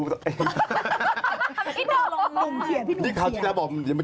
ฟังก่อนสิฟังหน่อยได้มั้ย